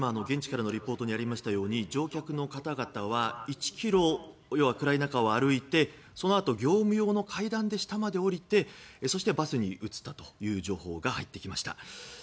現地からのリポートにありましたように乗客の方々は１ｋｍ暗い中を歩いてそのあと業務用の階段で下まで降りてそして、バスに移ったという情報が入ってきました。